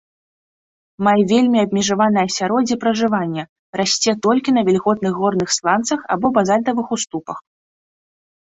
Мае вельмі абмежаванае асяроддзе пражывання, расце толькі на вільготных горных сланцах або базальтавых уступах.